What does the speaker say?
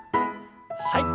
はい。